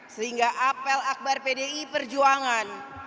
sehingga apel akbar pdi perjuangan